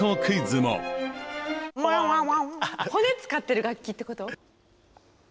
骨使ってる楽器ってこと。